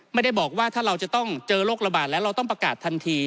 ไม่ได้บอกว่าถ้าเราจะต้องเจอโรคระบาดแล้วเราต้องประกาศทันที